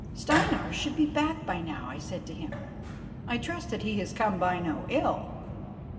"Steinar should be back by now," I said to him. "I trust that he has come by no ill."